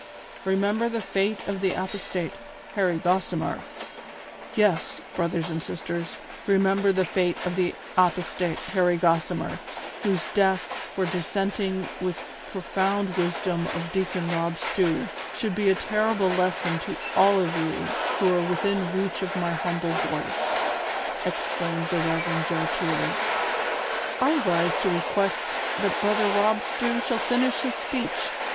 Remember the fate of the apostate, Harry Gossimer !" "Yes, brothers and sisters, remember the fate of tlie apostate, Harry Gossimer, whose death, for dissenting IGO THE SOCIAL WAR OF 1900; OR, with the profound wisdom of Deacon Rob Stew, shoukl be a terrible lesson to all of you who are within reach of my Jiumble voice," exclaimed the Rev. Joe Pier, '' I rise to request that Brother Rob Stew shall finish his speech.